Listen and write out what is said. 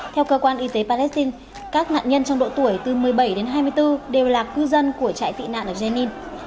theo cơ quan y tế palestine các nạn nhân trong độ tuổi từ một mươi bảy đến hai mươi bốn đều là cư dân của chạy tị nạn ở jennin